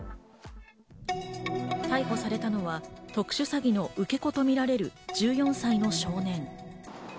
逮捕されたのは特殊詐欺の受け子とみられる１４歳の少年。